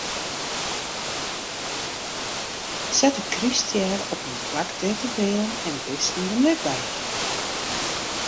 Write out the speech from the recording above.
Set de kryststjer op in plak dêr't bern en bisten der net by kinne.